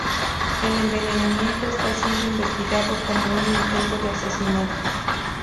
El envenenamiento está siendo investigado como un intento de asesinato.